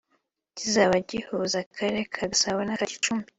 kizaba gihuza Akarere ka Gasabo n’aka Gicumbi